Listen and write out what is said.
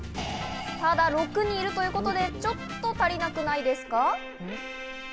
ただ、６人いるということで、ちょっと足りなくないですか？